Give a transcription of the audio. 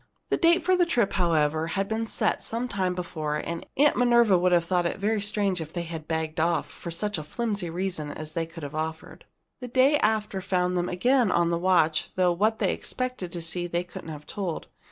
The date for the trip, however, had been set some time before, and Aunt Minerva would have thought it very strange if they had begged off, for such flimsy reason as they could have offered. The day after found them again on watch, though what they expected to see they couldn't have told.